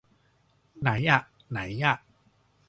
ไหนอ่ะ ไหนอ่ะ